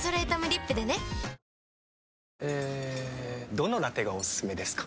どのラテがおすすめですか？